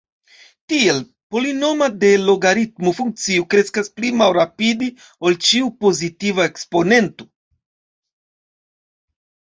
Tiel, polinoma de logaritmo funkcio kreskas pli malrapide ol ĉiu pozitiva eksponento.